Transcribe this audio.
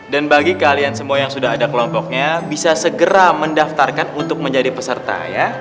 dan bagi kalian semua yang sudah ada kelompoknya bisa segera mendaftarkan untuk menjadi peserta ya